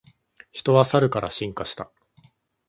人はサルから進化した